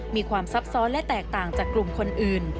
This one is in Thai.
มีความซับซ้อนและแตกต่างจากกลุ่มคนอื่น